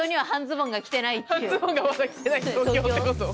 半ズボンがまだ来てない東京ってこと？